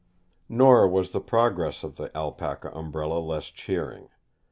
"Nor was the progress of the Alpaca Umbrella less cheering.